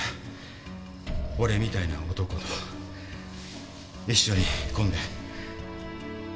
俺みたいな男と一緒に来んで。